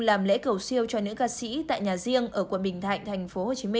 làm lễ cầu siêu cho nữ ca sĩ tại nhà riêng ở quận bình thạnh tp hcm